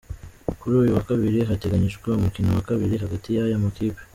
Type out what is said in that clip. Kuri uyu wa Kabiri hateganyijwe umukino wa kabiri hagati y’aya makipe.